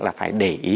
là phải để ý